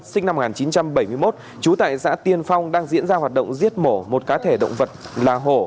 sinh năm một nghìn chín trăm bảy mươi một trú tại xã tiên phong đang diễn ra hoạt động giết mổ một cá thể động vật là hổ